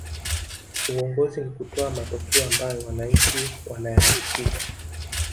uongozi ni kutoa matokeo ambayo wananchi wanayahita